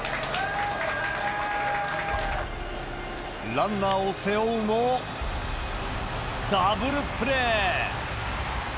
ランナーを背負うも、ダブルプレー。